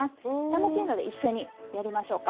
楽しいので一緒にやりましょうか。